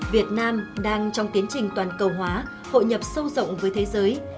việt nam đang trong tiến trình toàn cầu hóa hội nhập sâu rộng với thế giới